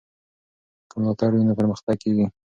که ملاتړ وي نو پرمختګ کېږي.